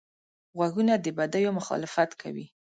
غوږونه د بدیو مخالفت کوي